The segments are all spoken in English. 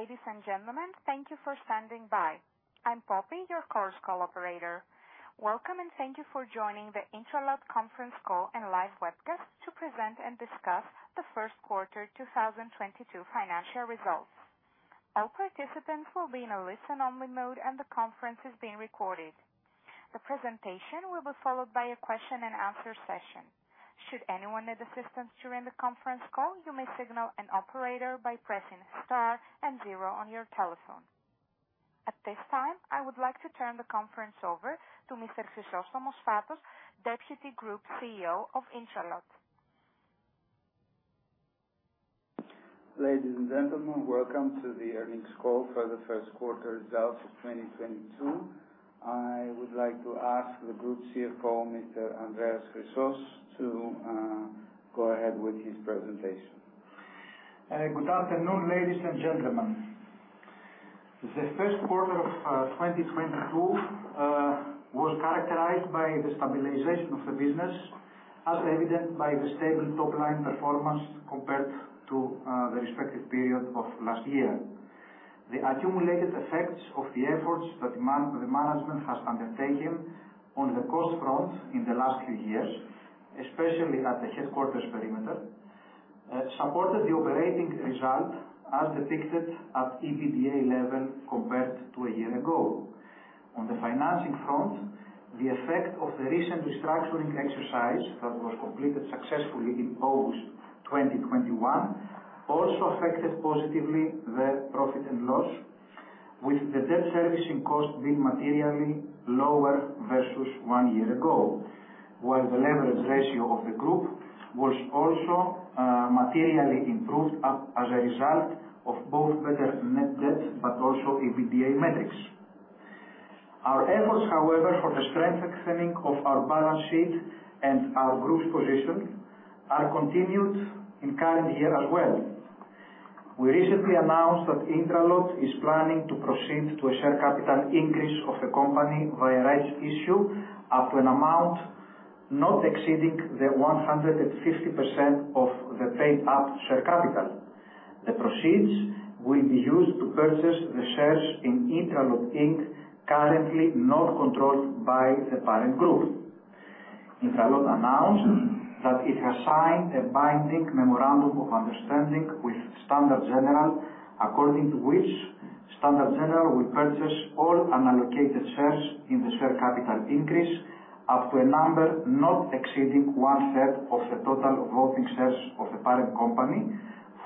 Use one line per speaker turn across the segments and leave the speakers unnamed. Ladies and gentlemen, thank you for standing by. I'm Poppy, your Chorus Call operator. Welcome, and thank you for joining the Intralot conference call and live webcast to present and discuss the first quarter 2022 financial results. All participants will be in a listen only mode, and the conference is being recorded. The presentation will be followed by a question and answer session. Should anyone need assistance during the conference call, you may signal an operator by pressing star and zero on your telephone. At this time, I would like to turn the conference over to Mr. Chrysostomos Sfatos, Deputy Group CEO of Intralot.
Ladies and gentlemen, welcome to the earnings call for the first quarter results of 2022. I would like to ask the Group CFO, Mr. Andreas Chrysos, to go ahead with his presentation.
Good afternoon, ladies and gentlemen. The first quarter of 2022 was characterized by the stabilization of the business, as evident by the stable top line performance compared to the respective period of last year. The accumulated effects of the efforts that management has undertaken on the cost front in the last few years, especially at the headquarters perimeter, supported the operating result as depicted at EBITDA level compared to a year ago. On the financing front, the effect of the recent restructuring exercise that was completed successfully in August 2021 also affected positively the profit and loss, with the debt servicing cost being materially lower versus one year ago, while the leverage ratio of the group was also materially improved as a result of both better net debt but also EBITDA metrics. Our efforts, however, for the strengthening of our balance sheet and our group's position are continued in current year as well. We recently announced that Intralot is planning to proceed to a share capital increase of the company via rights issue up to an amount not exceeding 150% of the paid up share capital. The proceeds will be used to purchase the shares in Intralot Inc, currently not controlled by the parent group. Intralot announced that it has signed a binding memorandum of understanding with Standard General, according to which Standard General will purchase all unallocated shares in the share capital increase up to a number not exceeding 1/3 of the total voting shares of the parent company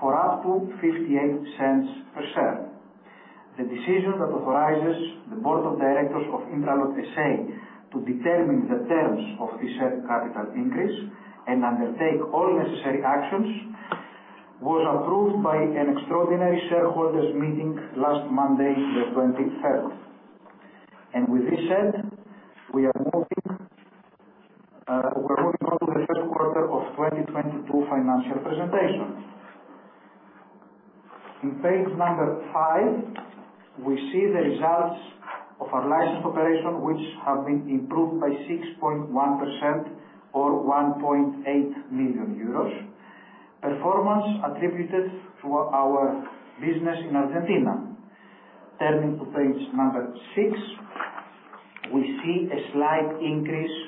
for up to 0.58 per share. The decision that authorizes the board of directors of Intralot S.A. to determine the terms of the said capital increase and undertake all necessary actions was approved by an extraordinary shareholders meeting last Monday, the 23rd. With this said, we are moving on, looking now to the first quarter of 2022 financial presentation. In page number five, we see the results of our licensed operations, which have been improved by 6.1% or 1.8 million euros. Performance attributed to our business in Argentina. Turning to page number six, we see a slight increase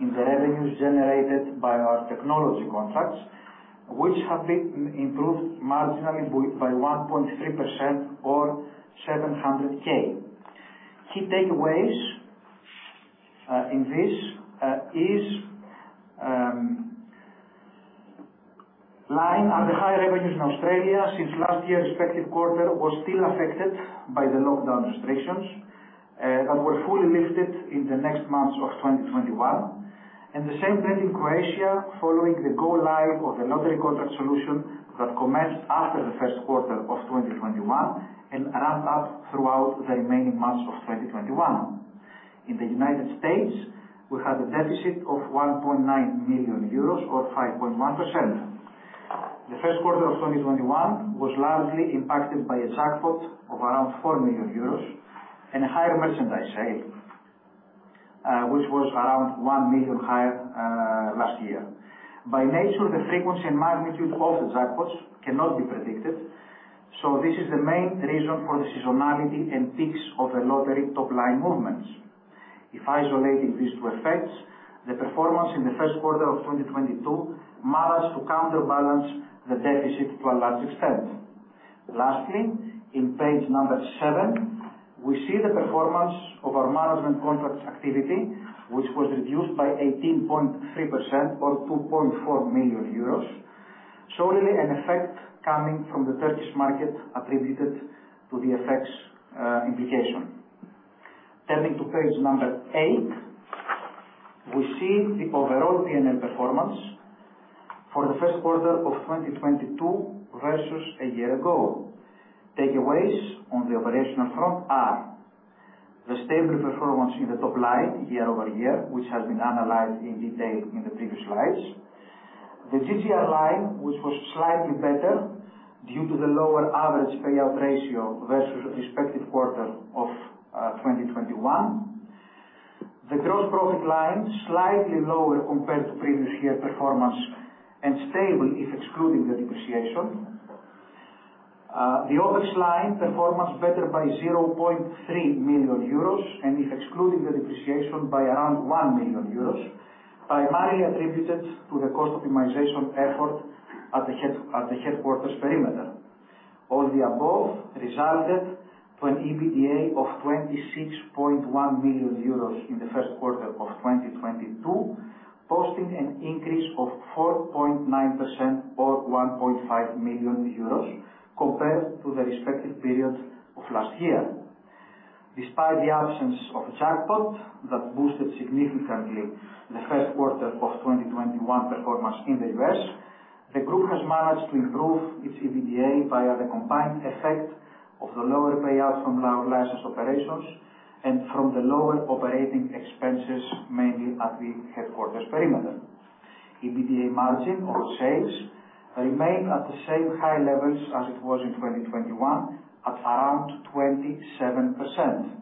in the revenues generated by our technology contracts, which have been improved marginally by 1.3% or 700K. Key takeaways are the high revenues in Australia since last year's respective quarter was still affected by the lockdown restrictions that were fully lifted in the next months of 2021. The same trend in Croatia, following the go live of the lottery contract solution that commenced after the first quarter of 2021 and ramped up throughout the remaining months of 2021. In the United States, we had a deficit of 1.9 million euros or 5.1%. The first quarter of 2021 was largely impacted by a jackpot of around 4 million euros and a higher merchandise sale, which was around 1 million higher last year. By nature, the frequency and magnitude of the jackpots cannot be predicted, so this is the main reason for the seasonality and peaks of the lottery top line movements. If isolating these two effects, the performance in the first quarter of 2022 managed to counterbalance the deficit to a large extent. Lastly, on page number seven, we see the performance of our management contracts activity, which was reduced by 18.3% or 2.4 million euros, solely an effect coming from the Turkish market attributed to the effects of inflation. Turning to page number eight, we see the overall P&L performance for the first quarter of 2022 versus a year ago. Takeaways on the operational front are the stable performance in the top line year-over-year, which has been analyzed in detail in the previous slides. The GGR line, which was slightly better due to the lower average payout ratio versus respective quarter of 2021. The gross profit line slightly lower compared to previous year performance and stable if excluding the depreciation. The OPEX line performance better by 0.3 million euros and if excluding the depreciation by around 1 million euros, primarily attributed to the cost optimization effort at the head, at the headquarters perimeter. All the above resulted to an EBITDA of 26.1 million euros in the first quarter of 2022, posting an increase of 4.9% or 1.5 million euros compared to the respective period of last year. Despite the absence of jackpot that boosted significantly the first quarter of 2021 performance in the U.S., the group has managed to improve its EBITDA via the combined effect of the lower payouts from licensed operations and from the lower operating expenses, mainly at the headquarters perimeter. EBITDA margin on sales remained at the same high levels as it was in 2021 at around 27%.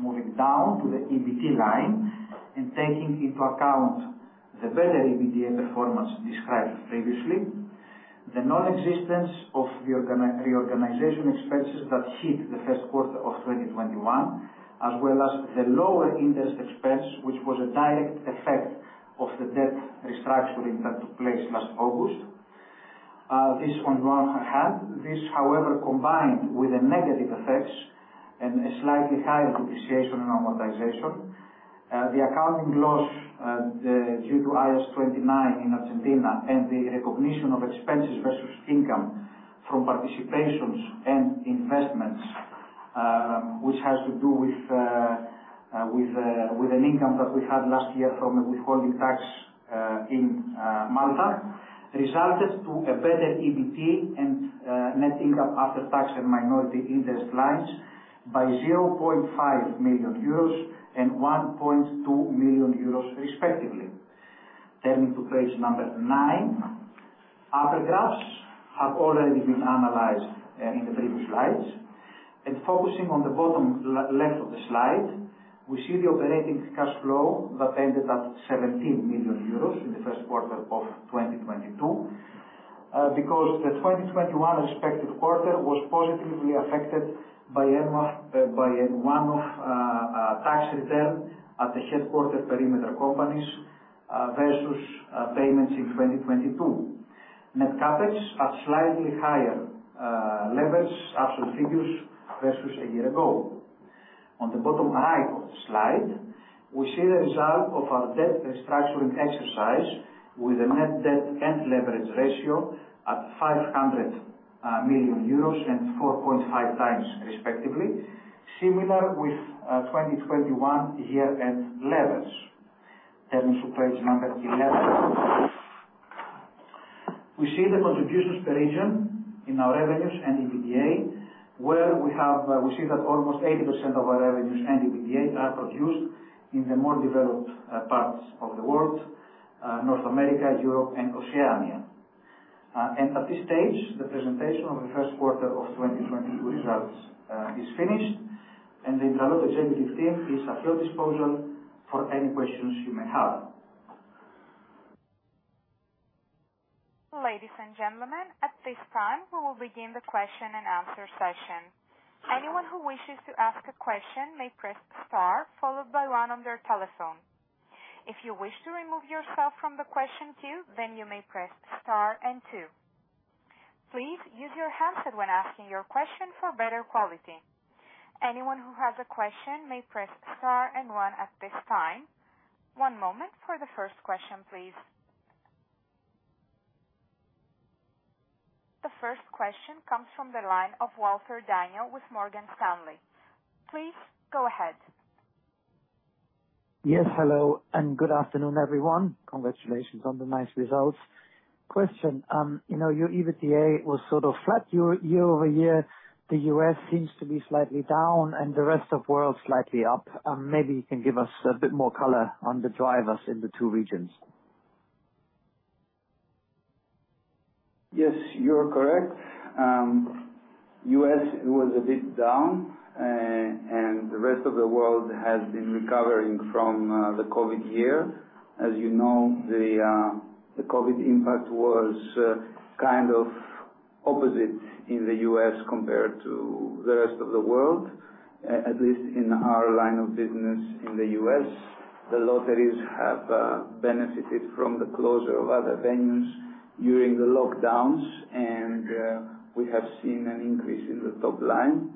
Moving down to the EBT line and taking into account the better EBITDA performance described previously, the non-existence of the one-off reorganization expenses that hit the first quarter of 2021, as well as the lower interest expense, which was a direct effect of the debt restructuring that took place last August. This, however, combined with the negative effects and a slightly higher depreciation and amortization, the accounting loss due to IAS 29 in Argentina, and the recognition of expenses versus income from participations and investments, which has to do with an income that we had last year from a withholding tax in Malta, resulted to a better EBT and net income after tax and minority interest lines by 0.5 million euros and 1.2 million euros respectively. Turning to page number nine. Upper graphs have already been analyzed in the previous slides. Focusing on the bottom left of the slide, we see the operating cash flow that ended at 17 million euros in the first quarter of 2022. Because the 2021 respective quarter was positively affected by a one-off tax return at the headquarters perimeter companies, versus payments in 2022. Net CapEx are slightly higher levels absolute figures versus a year ago. On the bottom right of the slide, we see the result of our debt restructuring exercise with a net debt and leverage ratio at 500 million euros and 4.5x respectively, similar with 2021 year-end levels. Turning to page 11. We see the contributions per region in our revenues and EBITDA, where we see that almost 80% of our revenues and EBITDA are produced in the more developed parts of the world, North America, Europe and Oceania. At this stage, the presentation of the first quarter of 2022 results is finished, and the Intralot executive team is at your disposal for any questions you may have.
Ladies and gentlemen, at this time, we will begin the question and answer session. Anyone who wishes to ask a question may press star followed by one on their telephone. If you wish to remove yourself from the question queue, then you may press star and two. Please use your handset when asking your question for better quality. Anyone who has a question may press star and one at this time. One moment for the first question, please. The first question comes from the line of Walter Daniel with Morgan Stanley. Please go ahead.
Yes, hello and good afternoon, everyone. Congratulations on the nice results. Question. You know, your EBITDA was sort of flat, year-over-year. The U.S. seems to be slightly down and the rest of world slightly up. Maybe you can give us a bit more color on the drivers in the two regions.
Yes, you're correct. U.S. was a bit down, and the rest of the world has been recovering from the COVID year. As you know, the COVID impact was kind of opposite in the U.S. compared to the rest of the world, at least in our line of business in the U.S. The lotteries have benefited from the closure of other venues during the lockdowns, and we have seen an increase in the top line.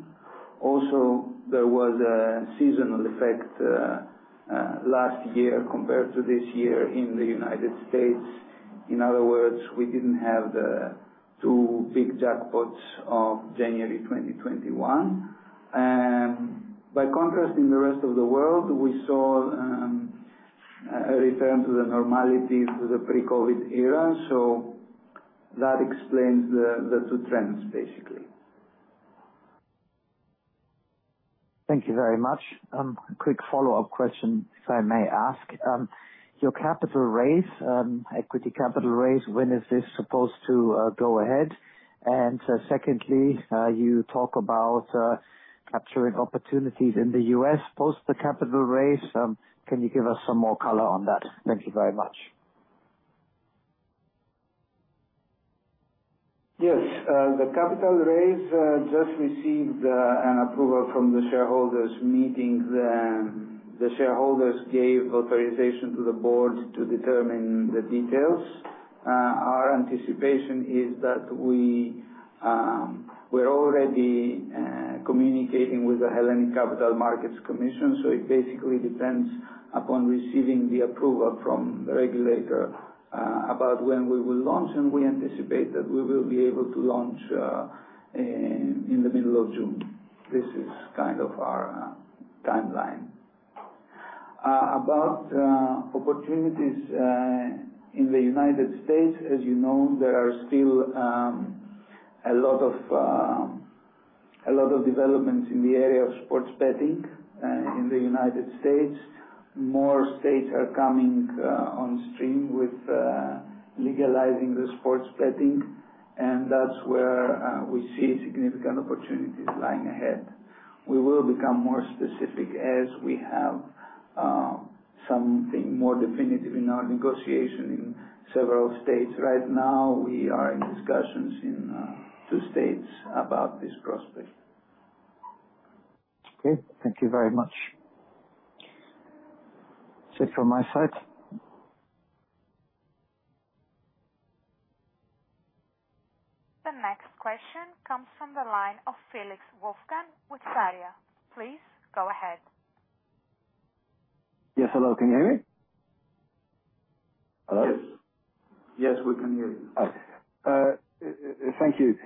Also, there was a seasonal effect last year compared to this year in the United States. In other words, we didn't have the two big jackpots of January 2021. By contrast, in the rest of the world, we saw a return to the normality to the pre-COVID era. That explains the two trends, basically.
Thank you very much. Quick follow-up question, if I may ask. Your capital raise, equity capital raise, when is this supposed to go ahead? And secondly, you talk about capturing opportunities in the U.S. post the capital raise. Can you give us some more color on that? Thank you very much.
Yes. The capital raise just received an approval from the shareholders meeting. The shareholders gave authorization to the board to determine the details. Our anticipation is that we're already communicating with the Hellenic Capital Market Commission, so it basically depends upon receiving the approval from the regulator about when we will launch, and we anticipate that we will be able to launch in the middle of June. This is kind of our timeline. About opportunities in the United States. As you know, there are still a lot of developments in the area of sports betting in the United States. More states are coming on stream with legalizing the sports betting, and that's where we see significant opportunities lying ahead. We will become more specific as we have something more definitive in our negotiation in several states. Right now, we are in discussions in two states about this prospect.
Okay. Thank you very much. That's it from my side.
The next question comes from the line of Felix Wolfgang with Sarria. Please go ahead.
Yes, hello. Can you hear me? Hello?
Yes. Yes, we can hear you.
All right. Thank you.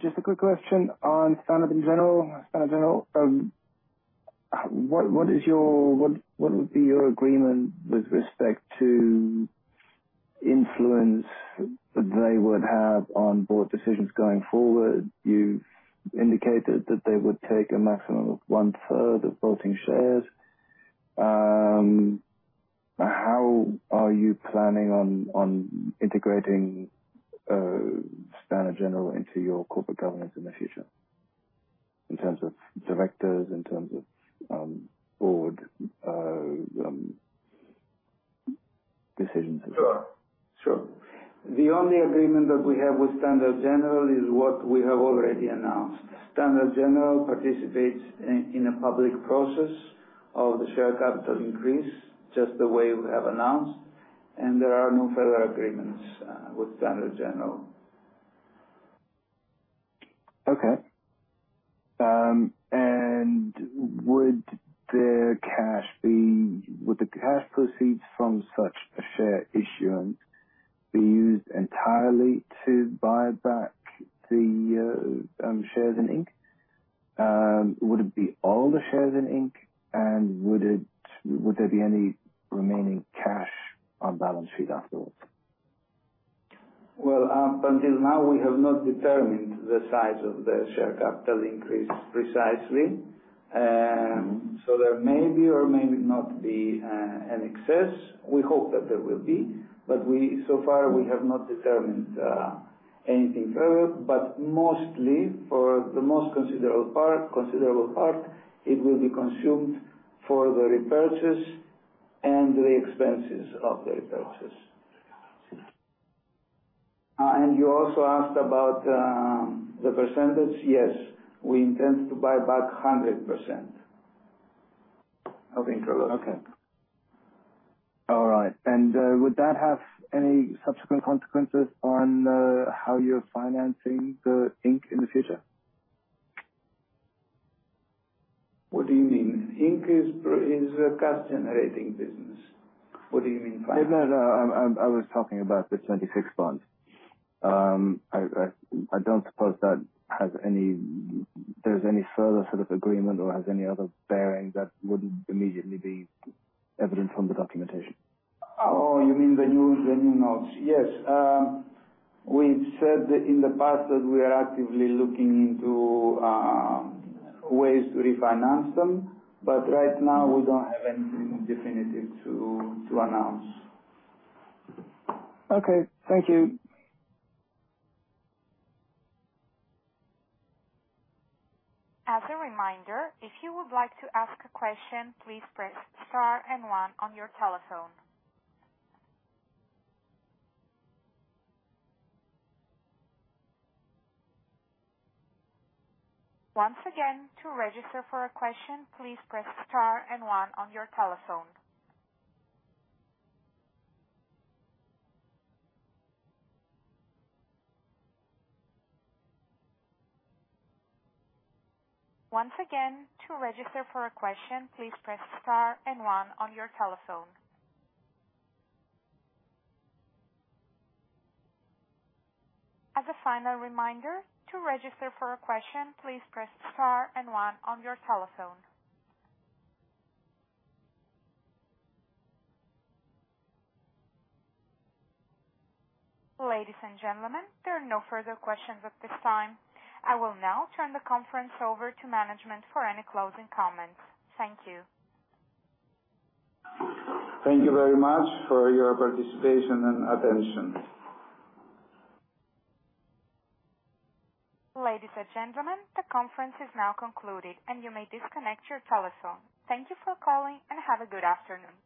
Just a quick question on Standard General. Standard General, what would be your agreement with respect to influence that they would have on board decisions going forward? You indicated that they would take a maximum of one-third of voting shares. How are you planning on integrating Standard General into your corporate governance in the future in terms of directors, in terms of board decisions?
Sure. The only agreement that we have with Standard General is what we have already announced. Standard General participates in a public process of the share capital increase, just the way we have announced, and there are no further agreements with Standard General.
Okay. Would the cash proceeds from such a share issuance be used entirely to buy back the shares in Inc? Would it be all the shares in Inc, and would there be any remaining cash on balance sheet afterwards?
Well, up until now, we have not determined the size of the share capital increase precisely. there may be or may not be an excess. We hope that there will be, but so far we have not determined anything further. Mostly, for the most considerable part, it will be consumed for the repurchase and the expenses of the repurchase. you also asked about the percentage. Yes, we intend to buy back 100% of Intralot.
Would that have any subsequent consequences on how you're financing the Inc. in the future?
What do you mean? Inc. is a cash generating business. What do you mean financing?
No, no. I was talking about the 2026 bond. I don't suppose there's any further sort of agreement or has any other bearing that wouldn't immediately be evident from the documentation.
Oh, you mean the new notes? Yes. We've said in the past that we are actively looking into ways to refinance them, but right now, we don't have anything definitive to announce.
Okay, thank you.
As a reminder, if you would like to ask a question, please press star and one on your telephone. Once again, to register for a question, please press star and one on your telephone. Once again, to register for a question, please press star and one on your telephone. As a final reminder, to register for a question, please press star and one on your telephone. Ladies and gentlemen, there are no further questions at this time. I will now turn the conference over to management for any closing comments. Thank you.
Thank you very much for your participation and attention.
Ladies and gentlemen, the conference is now concluded, and you may disconnect your telephone. Thank you for calling, and have a good afternoon.